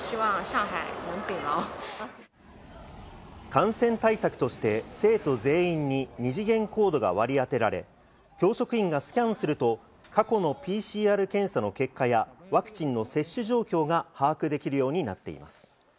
感染対策として生徒全員に二次元コードが割り当てられ、教職員がスキャンすると、過去のＰＣＲ検査の結果やワクチンの接種状況が把握できるようになっています。